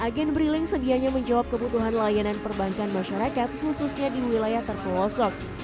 agen briling sedianya menjawab kebutuhan layanan perbankan masyarakat khususnya di wilayah terpelosok